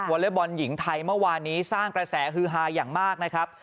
อเล็กบอลหญิงไทยเมื่อวานนี้สร้างกระแสฮือฮาอย่างมากนะครับ